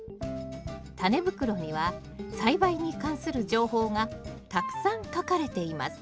タネ袋には栽培に関する情報がたくさん書かれています。